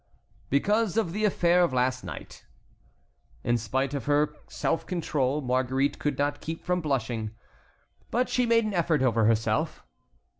"Because of the affair of last night." In spite of her self control Marguerite could not keep from blushing. But she made an effort over herself.